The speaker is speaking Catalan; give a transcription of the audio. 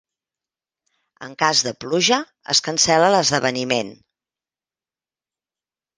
En cas de pluja, es cancel·la l'esdeveniment.